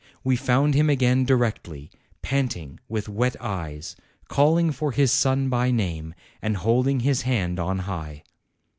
We found him again directly, pant ing, with wet eyes, calling for his son by name, and holding his hand on high.